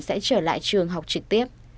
sẽ trở lại trường học trực tiếp